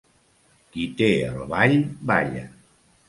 Qui té el ball, balla.